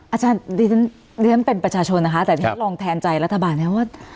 อาจารย์เรียนเป็นประชาชนนะคะแต่ที่ฉันลองแทนใจรัฐบาลนะว่า